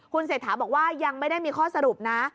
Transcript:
คุณเศรษฐาบอกว่ายังไม่ได้มีข้อสรุปนะ